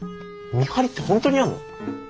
見張りって本当にやんの？